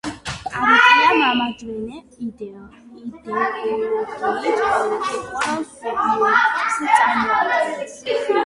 პარტია მემარჯვენე იდეოლოგიის პოლიტიკურ სუბიექტს წარმოადგენდა.